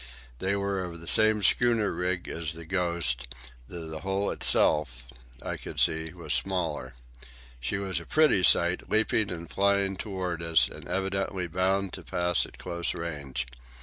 They were of the same schooner rig as the Ghost, though the hull itself, I could see, was smaller. She was a pretty sight, leaping and flying toward us, and evidently bound to pass at close range.